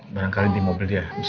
barangkali di mobil dia